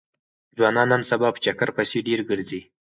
ځوانان نن سبا په چکر پسې ډېر ګرځي.